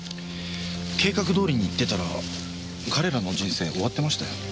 計画どおりにいってたら彼らの人生終わってましたよ。